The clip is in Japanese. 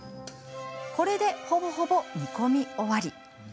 これでほぼほぼ煮込み終わり。